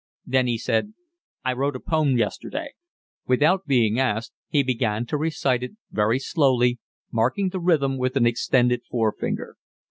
Then he said: "I wrote a poem yesterday." Without being asked he began to recite it, very slowly, marking the rhythm with an extended forefinger.